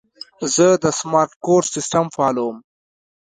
زه د سمارټ کور سیسټم فعالوم.